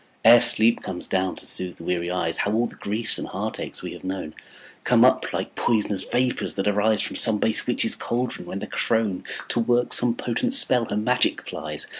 Ere sleep comes down to soothe the weary eyes, How all the griefs and heartaches we have known Come up like pois'nous vapors that arise From some base witch's caldron, when the crone, To work some potent spell, her magic plies.